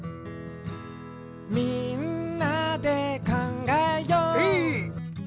「みんなでかんがえよう」エー！